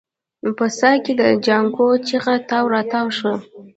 په څاه کې د جانکو چيغه تاو راتاو شوه.